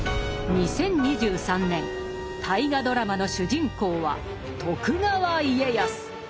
２０２３年大河ドラマの主人公は徳川家康！